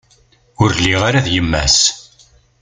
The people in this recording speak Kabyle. Ur lliɣ ara d yemma-s.